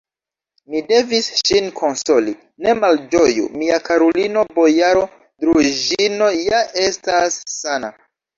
Mi devis ŝin konsoli: "ne malĝoju, mia karulino, bojaro Druĵino ja estas sana!"